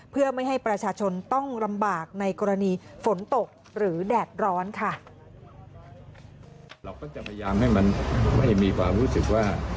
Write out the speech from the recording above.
เพื่อไม่ให้ประชาชนต้องลำบากในกรณีฝนตกหรือแดดร้อนค่ะ